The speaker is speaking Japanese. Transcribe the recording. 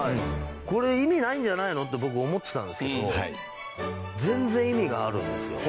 これ意味ないんじゃないの？って僕思ってたんですけど全然意味があるんですよ。